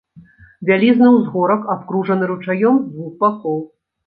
Вялізны ўзгорак, абкружаны ручаём з двух бакоў.